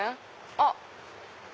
あっ！